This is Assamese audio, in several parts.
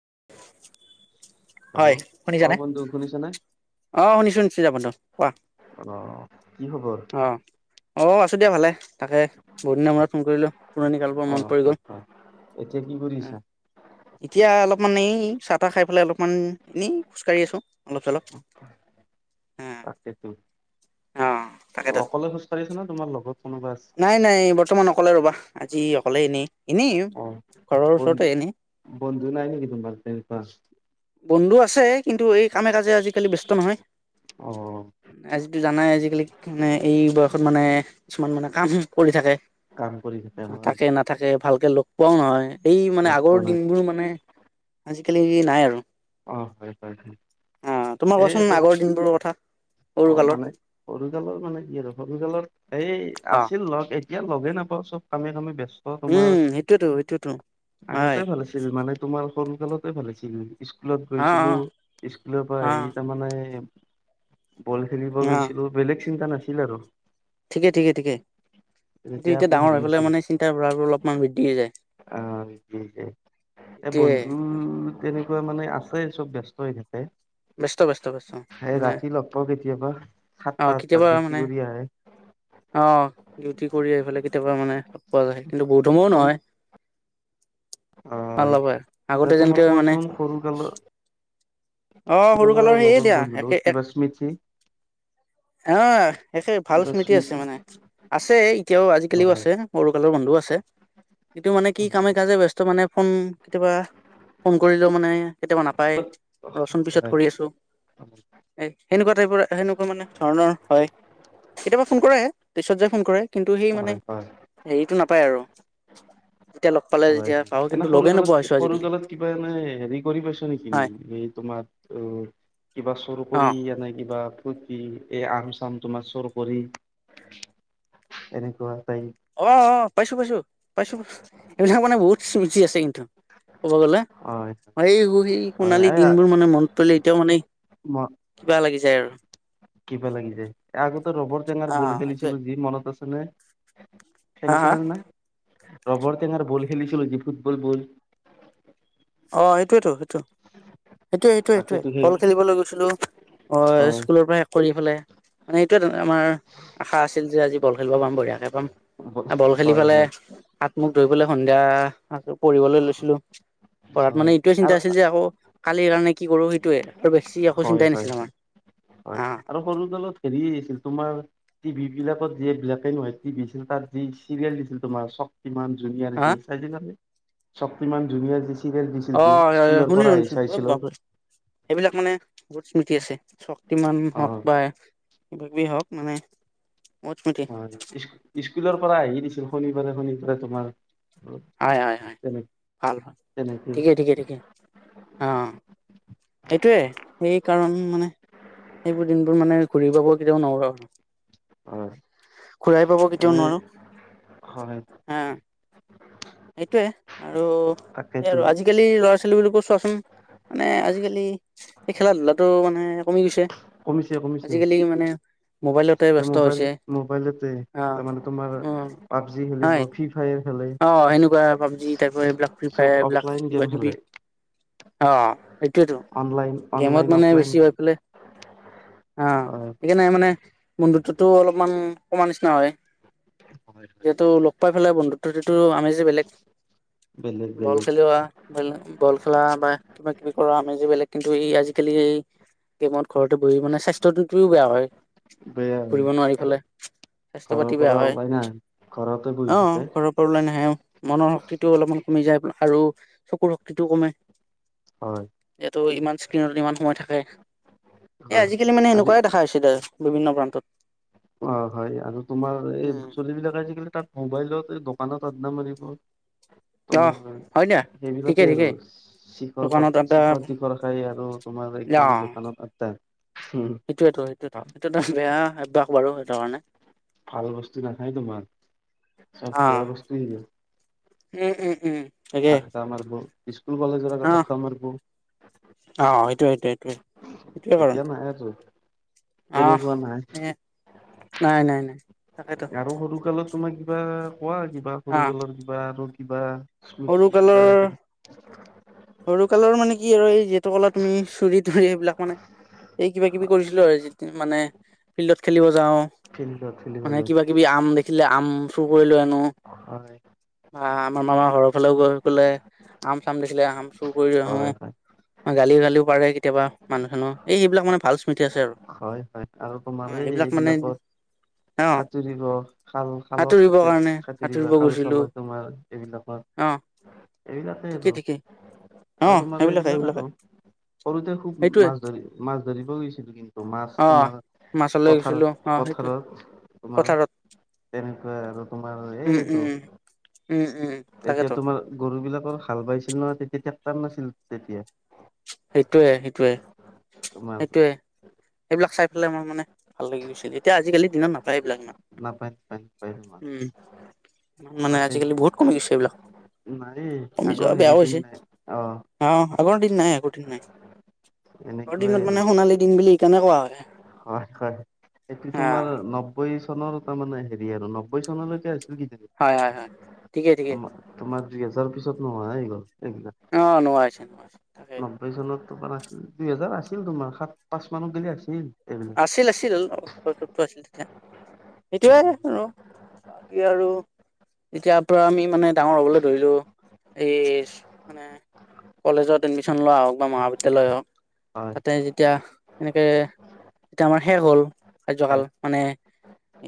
[inaudible] হয় হেল্ল' অ শুনিছানে? বন্ধু শুনিছা নে অ শুনিছো শুনিছো যাব ত কোৱা অ কি খবৰ? অ অ ক আছোঁ দিয়া ভালে তাকে বহুত দিনৰ মূত ফোন কৰিলোঁ পুৰণি কালবোৰ অ মনত পৰি গ'ল আচ্ছা এতিয়া কি কৰি আছা? এতিয়া অলপমান এই চাহ তাহ খাই পেলাই অলপমান এনেই খোজ কাঢ়ি আছো অলপ চলপ তাকে তো অ তাকেতো অকলে খোজ কাঢ়িছ ন তোমাৰ লগত কোনোবা আছে? নাই নাই বৰ্তমান অকলে ৰবা আজি হলে এনে এনেই অ ঘৰৰ ওচৰতে বন্ধু এনে বন্ধু নাই নেকি তোমাৰ তেনেকুৱা? বন্ধু আছে কিন্তু এই কামে কাজে আজিকালি ব্যস্ত নহয় অ আজ এই জানাই আজিকালি মানে এই বয়সত মানে কিছুমান মানে কাম কৰি থাকে কাম কৰি থাকে হয় তাকে নাথাকে ভালকে ল কোৱা ন হয় এই মানে লগ আগৰ পোৱা নাই। দিনবোৰ মানে আজিকালি নাই আৰু অ হয় হয় হয় অ তোমাৰ এই কোৱাচোন সৰু আগৰ দিনবোৰৰ কথা সৰু অ কালৰ মানে সৰুকালৰ মানে কি আৰু সৰুকালৰ এই আছে আ লগ এতিয়া লগে নাপাওঁ চব কামে কামি ব্যস্ত তোমাৰ উম সেইটোয়েতো সেইটোয়েতো আগতে হয় ভাল আছিল মানে তোমাৰ সৰু ালতে ভালেছিল স্কুলত অ গৈছিলো স্কুলৰ পৰা অ অ আহি তাৰমানে বল খেলিব অ গৈছিলো বেলেগ চিন্তা নাছিল আৰু ঠিকে ঠিকে ঠিকে কিন্তু তেতিয়া এতিয়া আকৌ ডাঙৰ হেৰি হৈ পেলাই নাছিল মানে চিন্তা ভাৰাোৰ অলপমান বৃদ্ধি যায় আহ কি যে এ এতিয়ে বন্ধু তেনেকুৱা মানে আছে চব ব্যস্ত হৈ থাকে ব্যস্ত ব্যস্ত ব্যস্ত এই মানে ৰাতি লগ পাওঁ কেতিয়াবা সাতটা আহ আঠটাত কেতিয়াবা ডিউটি মানে কৰি আহে আহ ডিউটি কৰি আহি পেলাই কেতিয়াবা মানে লগ পোৱা যায় কিন্তু বহুতুমও নহয় ভাল হয় নাপায় এ আগতে তোমাক যেনেকে মানে কোৱাচোন সৰুকালৰ অ সৰু কালৰ সেয়ে দিয়া একে লগত কিবা স্মৃতি অ একে ভাল স্মৃতি আছে মানে আছে এতিয়াও আজিকালিও হয় আছে সৰু কালৰ বন্ধ ৰ আছে এইটো মানে কি কামে কাজে ব্স্ত মানে ফোন কেতিয়াবা ফোন কৰিলেও মানে কেতিয়াবা নাপায় ৰচোন পিছত হয় কৰি আছো হয় এ সেনেকুৱা টাইপৰ সেনেকুৱা মানে ধৰণৰ হয় কেতিয়াবা ফোন কৰেে পিছত যে ফোন কৰে কিন্তু সেই মানে হয় হয়। হেৰিতটো নাপ পাই আৰু তেতিয়া লগ পালে হয় যেতিয়া পাওঁ এনে কিন্তু সৰু লগে নোপোৱা কালত হৈছো সৰু আজিকালি কালত কিবা এনে হেৰি কৰি পাইছ নেকি হয় এই তোমাৰ অ কিবা চুৰ অ কৰি আনে কিবা কি এই আম চাম তোমাৰ চুৰ কৰি এনেকুৱা টাইপ অহ অহ পাইছো পাইছো পাইছো পাইছো এইবিলাক মানে বহুত চুজি আছে কিন্তু ক'ব গ'লে হয় এই সেই হয় সোণালী এ দিনবোৰ মানে মন পৰিলে এতিয়াও মানে ম কিবা লাগি যায় আৰু কিবা লাগি যায়, আগতে ৰবৰ টৈঙাৰ অ বল সেইটোৱে খেলিছিলো যি মনত আছে কোনে হা হা খেলিছিলো নাহ ৰবৰ টেঙাৰ বল খেলিছিলো যে ফুটবল বল অহ এইটোৱেটো সেইটোৱে সেইটোৱে সেইটোৱে তাকেতো সেই বল খেলিবলৈ গৈছিলো, অহ হয় স্কুলৰ পৰা কৰি ফেলাই মানে এইটোৱে আমাৰ আশা আছিল যে আজি বল খেলিব পাম বঢ়িয়াকে পাম আৰু বল খেলি হয় হয় ফালে হাত-মুখ ধুই কিনে সন্ধিয়া আ পঢ়িবলৈ লৈছিলো পঢ়াত হয় মানে এইটোৱে চিন্তা আৰু আছিল যে আকৌ কালিৰ কাৰণে কি কৰো সেইটোৱে আৰু বেছি একো হয় চিন্তাই হয় নাছিল আমাৰ। হয় আহ আৰু যি বিলাকত যে ব্লেক এণ্ড হোৱাইট টিভি আছিল তাত যি চিৰিয়েল দিছিল তোমাৰ চ শক্তিমান যুনিয়ৰ হা আহিছিল চাইছিলানে শক্তিমান যুনিয়াৰ যি আছিল অহ হয় শুনিছো শুনিছো এই বাপৰে সেইবিলাক মানে বহুত স্মৃতি আছে শক্তিমান অ হওক বা এইবোৰ যি হওক মানে বহুত স্মৃতি হয় স্কুলৰ পৰা আহি ছিল শনিবাৰে শনিবাৰে তোমাৰ হয় হয় হয় তেনে ভাল ভাল তেনেকে ঠিকে ঠিকে ঠিকে অহ এইটোৱে এই কাৰণ মানে সেইবোৰ দিনবোৰ মানে ঘূৰি পাব কেতিয়াও নোৱাৰো আৰু হয় ঘুৰাই পাব কেতিয়াও মানে নোৱাৰো হয় হা সেইটোৱে আৰু এই তাকেতো আৰু আজিকালি ল ল'ৰা ছোৱালী বোৰক চোৱাচোন মানে আজিকালি এই খেলা -ধূলাটো মানে কমি গৈছে কমিছে কমিছে আজিকালি মানে মোবাইলতে এতিয়া ব্যস্ত হৈছে মোবাইল- মোবাইলতে অ তাৰমানানে তোমাৰ পাবজি খেলিব ফ্ৰী ফায়াৰ। খেলে অহ ', সেনেকুৱা পাবজি তাইপ এইবিলাক ফ্ৰী চব ফায়াৰ এইবিলাক অফলাইন গেম কিবা খেলে কিবি। অহ ', সেইটোয়েতো অনলাইন অনলাইন গেমত মানে অফলাইন বেছি গেম হৈ পে অহ হয় ', এইনে মানে। মন্ধটো অলপমান কমা নিচিনা হয়। হয়। হয়। যিহেতু লোক পাইফলে বন্ধু তাতে তো। আমিজি বেলেগ বেলেগ বল বেলেগ খেলো আঁহ। বল খেলা বা কিবা কিবি কৰা আমি যে বেলেগ কিন্তু এই আজিকালি এই গেমত ঘৰতে বহি মানে স্বাস্থ্যটোও বেয়া হয়। বেয়া হয় ঘূৰিব নোৱাৰি ফালে স্বাস্থ্য পাতি ঘৰৰ বেয়া পৰা হয় ওলাই নাই ঘৰতে বহি থাকে। ৰ লাই নাহেও মনৰ শক্তিটোও অলপমান কমি যায় আৰু চকুৰ শক্তিটোও কমে। হয়। এইটো ইমান। স্ক্ৰীণত ইমান সময় থাকে। এ হয় হয়। আজিকালি মানে সেনেকুৱাই দেখা আছিল আৰু বিভিন্ন প্ৰান্তত। অহ ', হয় আৰু তোমাৰ এই উম ছোৱলিবিলাক আজিকালি তাত মোবাইলত পানত পদ মণিপ অ তোমাৰ হয় দিয়া ঠিকে সেইবিলাকে আৰু ঠিকে চিখৰ দোকানত - আড্ডা অ চিখৰ তিখৰ খাই আৰু তোমাৰ একদম দোকানত আড্ডা। হুম, সেইটোৱেইটো- সেইটোৱেইটো সেইটো এটা বেয়া অভ্যাস বাৰু। [unintelligible] ভাল বস্তু নাখায় তোমাৰ চব অ বেয়া বস্তু। উম', - উম', উম তাকে [unintelligible] স্কুল কলেজৰ আগত আড্ডা মাৰিব। অহ ', সেইটো - সেইটো- সেইটোৱেই এতিয়া নাই আৰু। আস', তেনেকুৱা নাই নাই - নাই- নাই তাকেতো। আৰু সৰু কালত তোমাৰ কিবা? কোৱা কিবা সৰুকালৰ কিবা আৰু। কিবা? সৰু স্মৃতি কিবা কালৰ সৰু কালৰ মানে। কি আৰু এই যিহেতু ক'লা তুমি চুৰি তুৰি সেইবিলাক মানে। এই কিবা-কিবি কৰিছিলোঁ। [unintelligible] মানে ফিল্ডত খেলিব যাওঁ। ফিল্ডত মানে ফিল্ডত কিবা-কিবি আম দেখিলে আম চুৰ কৰি লৈ আনো, হয় বা আমাৰ মামাৰ ঘৰৰ। গৈ পেলাই আম-চাম দে। এ আম চুৰ কৰি আহো হয় হয় গালি গালি। গালিও পাৰে কেতিয়াবা মানুহ-চানুহ এই এইবিলাক মানে ভাল স্মৃতি। আছে আৰু হয়, হয় আৰু হা তোমাৰ এই সেইবিলাক মানে এইবিলাকত, অ সাতুৰিব খাল খালত সাঁতুৰিবৰ স কাৰণে সাঁতুৰিব সাতুৰিব গৈছিলো খাল-চাল তোমাৰ এইবিলাকৰ। অ এইবিলাকেই ঠিকে আৰু। ঠিকে অ আৰু তোমাৰ সেইবিলাকে এইবিলাক সেইবিলাকে আৰু, সৰুতে খুব সেইটোৱে মাছ ধৰি মাছ ধৰিব গৈছিলো কিন্তু। মাছ অ তোমাৰ মাছলৈ গৈছিলো পথাৰত অ সেইটোৱে পথাৰত তোমাৰ পথাৰত তেনেকুৱা আৰু তোমাৰ উম এইটো। উম উম। উম এতিয়া তাকেতো তোমাৰ গৰু বিলাকৰ হাল বাইছিল ন' তেতিয়া। তাত নাছিল তেতিয়া। সেইটোৱে সেইটোৱে। তোমাৰ। এইবিলাক চাই পেলাই আমাৰ মানে, ভাল লাগি গৈছিল। এতিয়া আজিকালি দিনত নাপায় এইবিলাক ইমান। নাপায় নাপায় নাপায় তোমাক উম, মানে মাতে আজিকালি বহুত কমি গৈছে এইবিলাক। নাই কমি আগৰ যোৱা হেৰি বেয়াও দিন হৈছে নাই অ অ' আগৰ দিন নাই আগৰ দিন নাই। আগৰ এনেকুৱাই দিনত আৰু মানে সোণালী দিন বুলি। এইকাৰণে কোৱা হয় হয়, হয় এইটো অ তোমাৰ নব্বৈ। চনৰ তাৰমানে হেৰি আৰু নব্বৈ চন'লৈকে আছে। হয়, হয়, হয়। ঠিকে ঠিকে। মাক দুই হজাৰ পিছত নোহোৱাই গল। এইবিলাক অ নোৱা হৈছে নোৱা নব্বৈ চনত দুই হেজাৰ আছিল তোমাৰ সাত পাঁচ মান গি আছিল এইবিলাক আছিল আছিল টো [unintelligible] আছিল- সেইটোৱেই উম আৰু বাকী আৰু, এতিয়াৰ পৰা আমি মানে ডাঙৰ হবলৈ ধৰিলো, এই মানে কলেজত এডমিচন লোৱা হওক বা মহাবিদ্যালয় হওক হয় তাতে যেতিয়া এনেকে তেতিয়া আমাৰ শেষ হল কাৰ্যকাল। হয় মানে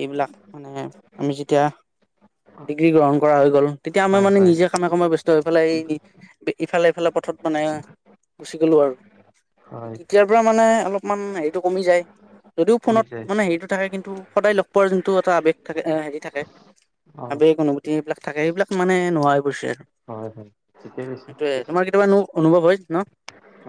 এইবিলাক মানে আমি যেতিয়া ডিগ্ৰী গ্ৰহণ কৰা হৈ গ'ল, তেতিয়া আমাৰ হয় মানে হয় নিজে কামে কামে ব্যস্ত হৈ পেলাই ইফালে ইফালে পথত মানে গুচি গলো আৰু হয় মতেতিয়াৰ পৰা মানে অলপমান হে কমি যায়, যদিও ফোনত কমিছে মানে হেৰিটো থাকে কিন্তু সদায় লগ পোৱাৰ যোনটো এটা আৱেগ থাকে হেৰি থাকে, অ আৱেগ অনুভূতি এইবিলাক থাকে সেইবিলাক মানে নোহোৱা হৈ গৈছে আৰু। হয় হয় ঠিকে কৈছে সেইটোয়ে তোমাৰ কেতিয়াবা অনুভৱ হয় ন?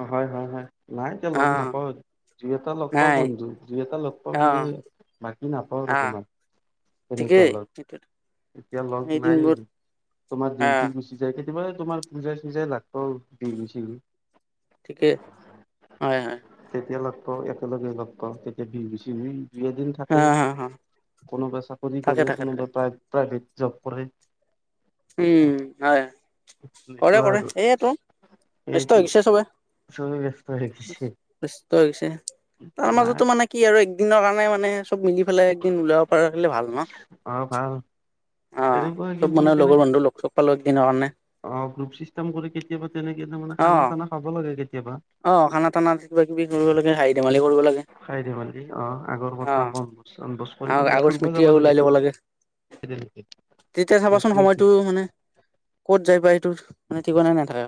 অ' হয় হয় হয় এতিয়া অ লগ নাপাওঁ দুই এটা লগ ক নাই বন্ধু [inaudible] অ [unintelligible] বাকী নাাপওঁ আৰু আহ তোমাক তেনেকুৱা ঠিকেই লগ এতিয়া লগ সেই নাই দিনবোৰ তোমাৰ আহ দিনটো গুচি যায়গে কেবাৰে তোমাৰ পূজা চুজাই লাগ ব বিহু শিশু ঠিকেই হয় হয় তিয়া লাগ পা একলগে লাগ পা তেতিয়া ভি বিছিন [unintelligible] দুই এদিন হা থাকে হা হা কোনোবাই চাকৰি থাকে কৰে থাকে থাকে কোনোবাই প্ৰাই প্ৰাইভেট জব কৰে উম হয় কৰে এনেকুৱা কৰে আৰু এইয়টো ব্যস্ত সেইটো হৈছে চবে চবেই ব্যস্ত হৈ গৈছে [unintelligible] ছে তাৰ নাই মাজতো মানে কি আৰু একদিনৰ কাৰণে মানে চব মিলি পেলাই একদিন ওলাব পাৰ হিলে ভাল ন অ ভাল অ তেনেকুৱা চব কিন্তু মানে তেনে লগৰ বন্ধু লগ চগ পালো একদিনৰ কাৰণে অ গ্ৰুপ ছিষ্টেম কৰি কেতিয়াবা তেনেক মানে অ খানা চানা খাব লাগে কেতিয়াবা হাহি ধেমালি কৰিব লাগে খাই দে মালি অ আগৰ অ কথা বনভোজ বনভোজ কৰিব আ- লাগে আগৰ ফুৰিব স্মৃতিয়ে যাব ওলাই ল'ব লাগে তেতিয়া চাবাচোন এটোতো সময়টো - মানে ক'ত যাই পাই মানে ঠিকনাই নাথাকে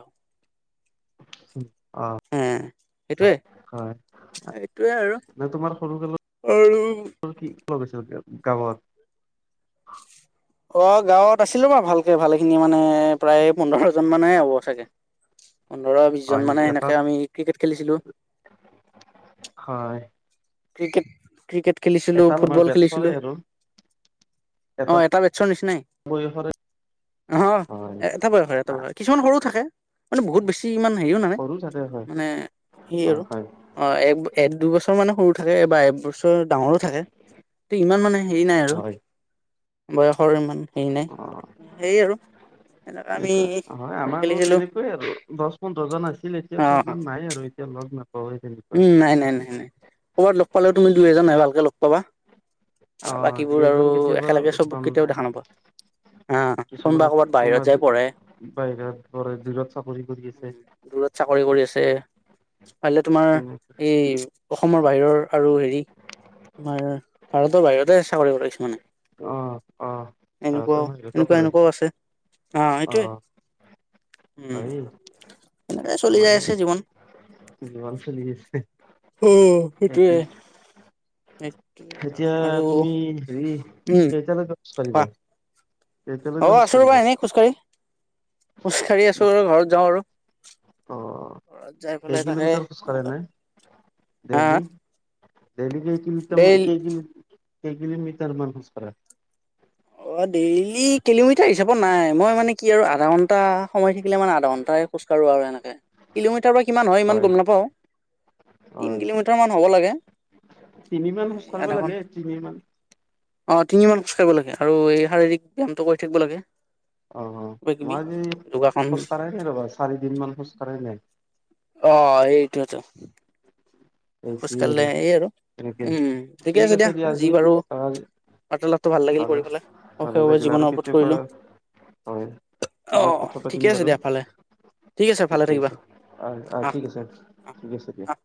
সেইটোৱে হয় সেইটোৱে আৰু নে তোমাৰ আৰু গৈছিল গাওঁত অ গাঁৱত আছিলো মই ভালকে ভালে খিনি মানে প্ৰায় পোন্ধৰ জন মানে হ'ব চাগে পোন্ধৰ বিশ হয় জন নেকি মানে এটা সেনেকে আমি ক্ৰিকেট খেলিছিলো হয় ক্ৰিকেট ক্ৰিকেট খেলিছিলো এটা আমাৰ ফুটবল খেলিছিলো বেটছৰে আৰু অ এটা ৰ নিচিনাই বয়সৰে অ হয় এটা বয়স হয় এটা না বয়স হয় কিছুমান সৰু থাকে মানেহুত বেছি ইমান হে ন সৰু চাগে হয় মানে হয় হয় আৰু দুবছৰ ম থাকে বা এবছৰ ডাঙৰো থাকে ত ইমান মানে হেৰি নাই আৰু হয় বয়স অ এনেকা আমি এনেকোৱা হয় আমাৰো খেলিছিলো তেনেকোৱাই আৰু দহ পোন্ধৰ জন আছিলে এতিয়া অ চব নাই আৰু এতিয়া লগ নাপ উম নাই নাই নাই নাই কৰ'বাত লগ পালেও তুমি দুই এজন হে ভালকে লগ পাবা অ আৰু দুই বাকীবোৰ আৰু একজন কেতিয়াবা একেলগে লগ চববো পাম কেতিয়াও নাই দেখা নোপোৱা হা কোনোবা কিছুমানে ক'বাত তোমাৰ বাহিৰত যাই পঢ়ে বাহিৰত দূৰত চাকৰি কৰি উ আছে দূৰত চাকৰি কৰি আছে পাৰিলে তোমাৰ তেনেকে এই অসমৰ বাহিৰৰ আৰু হেৰি আ ভাৰতৰ বাহিৰতে চাকৰি কৰিছে মানে অহ অহ সিহতে মানে এনেকোৱা এনেকুৱা কৰে এনেকুৱাও আছে অ সেইটোয়ে আহ উম। এনেকে এই চলি যাই মানে আছে জীৱন জীৱন চলি আছে উম সেটোৱে সেতি সেই এতিয়া তুমি হেৰি উম কেইটালৈকে চাৰি কোৱা বাৰ অ আছো ৰবা এনেই খোজকাঢ়ি খোজ কাঢ়ি আছো আৰু ঘৰত যাওঁ আৰু অ পৰা যাই কেই পেলাই থাকে কিলোমিটাৰ খোজ কাঢ়া এনেকে নে হা আ দেইলি কেই কিলোমিটাৰমান কেইকিলো কে কিলমিটাৰ মান খোজ কাঢ়া অ ডেইলি কিলোমিটাৰ হিচাপত নাই মই মানে কি আৰু আধা ঘন্টা সময় থাকিলে মানে আধা ঘণ্টাই খোজ কঢ়ো আৰু এনেকে কিলোমিটাৰ বা কিমান হয় ইমান গম নাপাওঁ অ তিনি কিলোমিটাৰমান হ'ব লাগে তিনিমান খোজ এই কাঢ়িব আধাখন লাগে তিনিমান অ তিনি মান খোজ কাঢ়িব লাগে আৰু এই শাৰীৰিক ব্যায়ামটো কৰি থাকিব লাগে অ অ কিবা কিবি মইজি যোগাসন খোজকাঢ়াই নাই ৰ'বা চাৰিদিন মান খোজকাঢ়াই নাই অ এইটোৱেতো খোজ কাঢ়িলে এই আৰু এনেকে উম ঠিকে আছে দিয়া আজি বাৰু বাৰ্তালাপটো ভাল লাগিল ভালে কৰি পেলাই ভালে সকলোৰে লাগিল আৰু জীৱনৰ ওপৰত কেতিয়াবা কৰিলো হয় পিছত অহ কথা পাতিম ঠিকে আছে বাৰু দিয়া ভালে ঠিকে আছে ভালে থাকিবা আহ আহ অহ ঠিক আছে অহ ঠিক আছে দিয়া অহ অহ